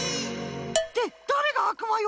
ってだれがあくまよ！